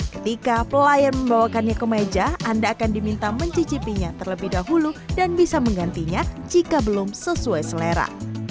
ketika pelayan membawakannya ke meja anda akan diminta mencicipinya terlebih dahulu dan bisa menggantinya jika belum sesuai selera